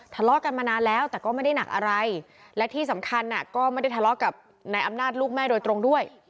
ทะเลาะกันมานานแล้วแต่ก็ไม่ได้หนักอะไรและที่สำคัญก็ไม่ได้ทะเลาะกับนายอำนาจลูกแม่โดยตรงด้วย